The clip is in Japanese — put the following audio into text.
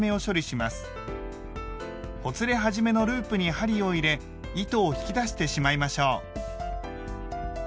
ほつれ始めのループに針を入れ糸を引き出してしまいましょう。